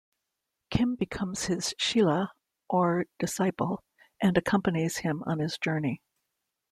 Kim becomes his "chela", or disciple, and accompanies him on his journey.